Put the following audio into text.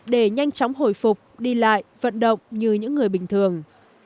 để nhanh chóng hồi phục đi lại vận động như những người bình thường